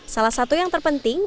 salah satu yang terpenting